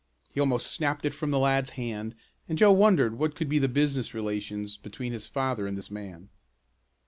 He almost snapped it from the lad's hand and Joe wondered what could be the business relations between his father and this man.